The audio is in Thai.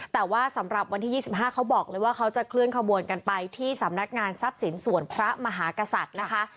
แต่ว่าสำหรับวันที่๒๕เขาบอกเลยว่าเขาจะเคลื่อนขบวนกันไปที่สำนักงานทรัพย์สินส่วนพระมหากษัตริย์นะคะ